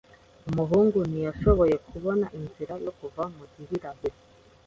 Umuhungu ntiyashoboye kubona inzira yo kuva mu gihirahiro.